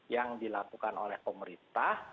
yang dilakukan oleh pemerintah